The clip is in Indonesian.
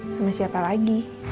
sama siapa lagi